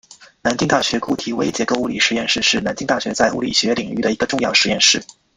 南京大学固体微结构物理实验室是南京大学在物理学领域的一个重要实验室。